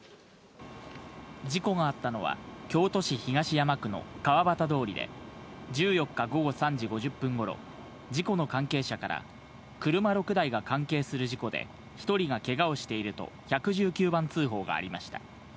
事故があったのは、京都市東山区の川端通で、１４日午後３時５０分ごろ、事故の関係者から、車６台が関係する事故で１人がけがをしていると１１９番通報がありました。